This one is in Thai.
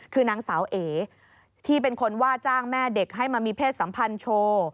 คือนางสาวเอ๋ที่เป็นคนว่าจ้างแม่เด็กให้มามีเพศสัมพันธ์โชว์